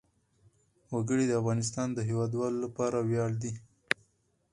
وګړي د افغانستان د هیوادوالو لپاره ویاړ دی.